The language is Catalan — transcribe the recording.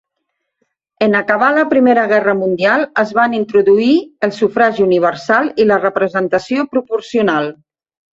En acabar la Primera Guerra Mundial, es van introduir el sufragi universal i la representació proporcional.